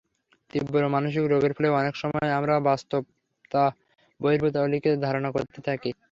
তীব্র মানসিক রোগের ফলে অনেক সময় আমরা বাস্তবতাবহির্ভূত অলীক ধারণা করতে থাকি।